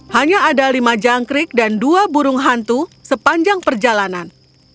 hanya ada lima jangkrik dan dua burung hantu sepanjang perjalanan